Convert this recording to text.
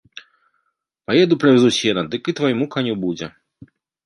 Паеду прывязу сена, дык і твайму каню будзе.